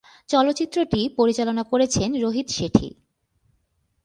চলচ্চিত্রটি পরিচালনা করেছেন রোহিত শেঠী।